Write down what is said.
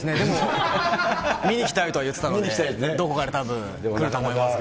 見に来たいとは言ってたんで、どこかでたぶん来ると思いますけ